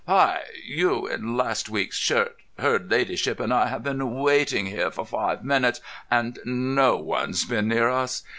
Hi! you in last week's shirt, her ladyship and I have been waiting here for five minutes and no one's been near us.